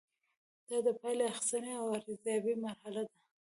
دا د پایلې اخیستنې او ارزیابۍ مرحله ده.